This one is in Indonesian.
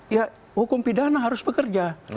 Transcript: ya hukum pidana harus bekerja